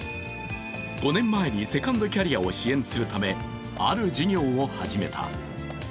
５年前にセカンドキャリアを支援するため、ある事業を始めた。